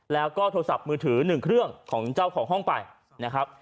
แล้วก็โทรศัพท์มือถือ๑เครื่องของเจ้าของห้องไปนะครับ